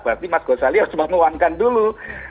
berarti mas gosali harus menguangkan dulu